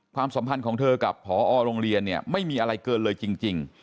ความสัมพันธ์ของเธอกับผอโรงเรียนเนี่ยไม่มีอะไรเกินเลยจริง